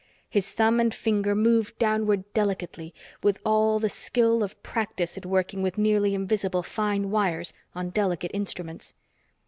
His thumb and finger moved downward delicately, with all the skill of practice at working with nearly invisibly fine wires on delicate instruments.